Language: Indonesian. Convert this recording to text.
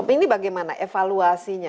ini bagaimana evaluasinya